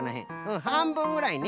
はんぶんぐらいね。